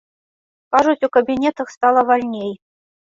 Кажуць, у кабінетах стала вальней.